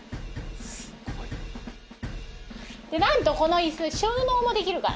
なんとこの椅子収納もできるからね。